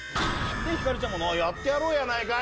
でひかるちゃんも「やってやろうやないかい！」。